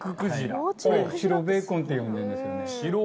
これ白ベーコンって呼んでるんですよね。